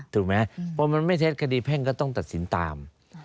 ถูกไหมพอมันไม่เท็จคดีแพ่งก็ต้องตัดสินตาม